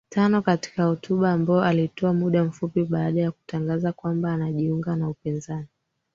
tano Katika hotuba ambayo aliitoa muda mfupi baada ya kutangaza kwamba anajiunga na upinzani